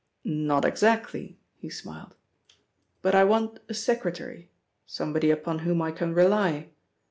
"Not exactly," he smiled, "but I want a secretary, somebody upon whom I can rely.